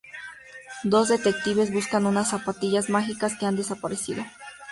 Dos detectives buscan unas zapatillas mágicas que han desaparecido.